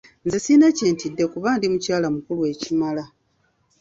Nze sirina kye ntidde kuba ndi mukyala mukulu ekimala.